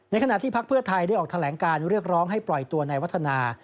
ขณะที่พักเพื่อไทยได้ออกแถลงการเรียกร้องให้ปล่อยตัวในวัฒนา